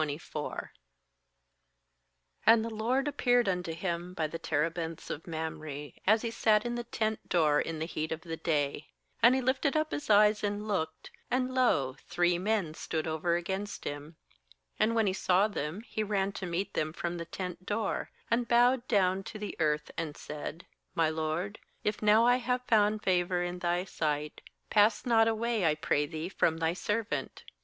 arm 1 Q And the LORD appeared unto him by the terebinths of Mamre, as he sat in the tent door in the heat of the day; 2and he lifted up his eyes and looked, and, lo, three men stood over against him; and when he saw them, he ran to meet them from the tent door, and bowed down to the earth, 3and said 'My lord, if now I haye found favour in thy sight, pass not away, I pray thee, from thy serv ant.